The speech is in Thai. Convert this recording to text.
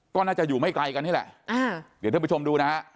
ก็น่าจะอยู่ไม่ไกลกันนี่แหละอ่าเดี๋ยวท่านผู้ชมดูนะฮะ